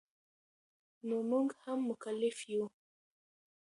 نو مونږ هم مکلف یو